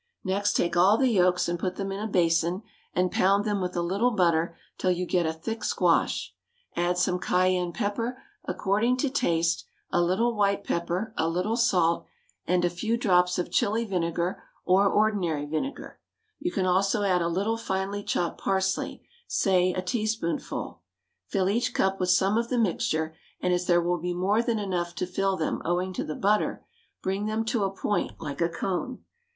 Next take all the yolks, and put them in a basin, and pound them with a little butter till you get a thick squash; add some cayenne pepper, according to taste, a little white pepper, a little salt, and a few drops of chilli vinegar or ordinary vinegar; you can also add a little finely chopped parsley say a teaspoonful. Fill each cup with some of this mixture, and as there will be more than enough to fill them, owing to the butter, bring them to a point, like a cone.